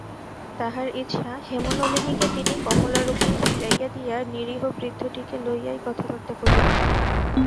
তাঁহার ইচ্ছা, হেমনলিনীকে তিনি কমলার উপর ভিড়াইয়া দিয়া নিরীহ বৃদ্ধটিকে লইয়াই কথাবার্তা কহিবেন।